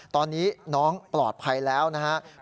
ตอนนี้น้องปลอดภัยแล้วนะครับ